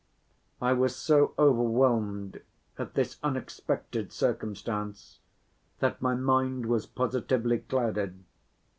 I was so overwhelmed at this unexpected circumstance that my mind was positively clouded.